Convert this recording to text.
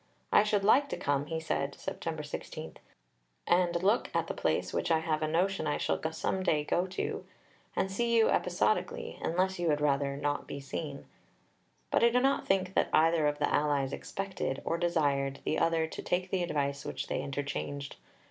"I should like to come," he said (Sept. 16), "and look at the Place which I have a notion I shall some day go to, and see you episodically, unless you had rather not be seen." But I do not think that either of the allies expected, or desired, the other to take the advice which they interchanged.